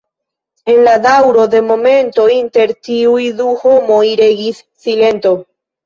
En la daŭro de momento inter tiuj du homoj regis silento.